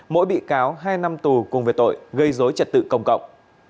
mỗi bị cáo hai năm tù cùng về tội gây dối trật tự công cộng